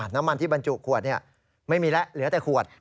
น้ำมันที่บรรจุขวดไม่มีแล้วเหลือแต่ขวด